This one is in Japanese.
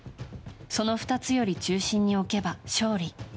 その２つより中心に置けば勝利。